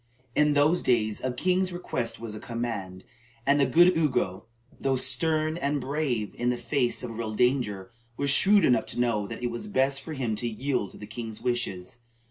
In those days a king's request was a command, and the good Ugo, though stern and brave in the face of real danger, was shrewd enough to know that it was best for him to yield to the king's wishes.